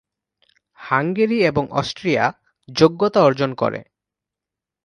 Hungary এবং Austria যোগ্যতা অর্জন করে।